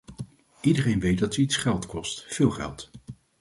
Iedereen weet dat zoiets geld kost, veel geld.